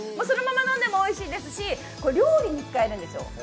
そのまま飲んでもおいしいですしこれ料理に使えるんですよ。